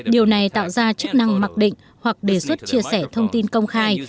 điều này tạo ra chức năng mặc định hoặc đề xuất chia sẻ thông tin công khai